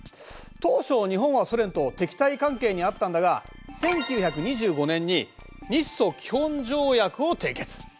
当初日本はソ連と敵対関係にあったんだが１９２５年に日ソ基本条約を締結。